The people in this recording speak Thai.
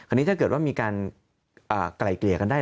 อันนี้ถ้าเกิดว่ามีการไกล่เกลี่ยกันได้